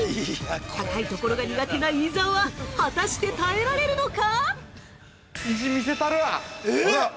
高いところが苦手な伊沢、果たして耐えられるのか？